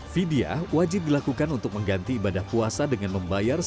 vidya wajib dilakukan untuk mengganti ibadah puasa dengan membayar